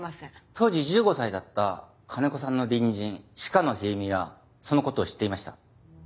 当時１５歳だった金子さんの隣人鹿野秀美はその事を知っていました。